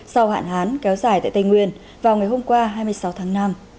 sau hạn hán kéo dài tại tây nguyên vào ngày hôm qua hai mươi sáu tháng năm